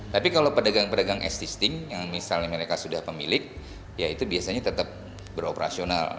tapi kalau pedagang pedagang existing yang misalnya mereka sudah pemilik ya itu biasanya tetap beroperasional